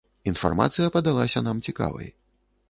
Інфармацыя падалася нам цікавай.